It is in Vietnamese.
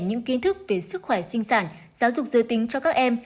những kiến thức về sức khỏe sinh sản giáo dục giới tính cho các em